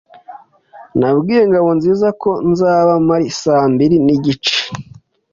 Nabwiye Ngabonziza ko nzaba mpari saa mbiri nigice.